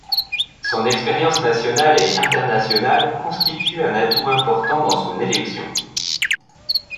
Son expérience nationale et internationale constitue un atout important dans son élection.